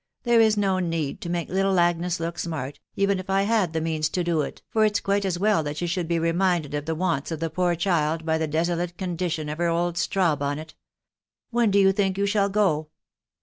There is no need to make little Agnes look smart, even if I had the means to do it, for it's quite as well that she should be reminded of the wants of the poor child by the desolate condition of her old straw bonnet .... When do you think you shall go